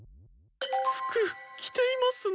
服着ていますね。